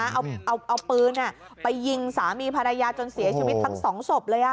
เอาปืนไปยิงสามีภรรยาจนเสียชีวิตทั้งสองศพเลย